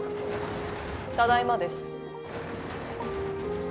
ただいまです。